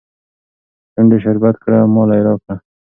شونډي شربت کړه ماله يې راکړه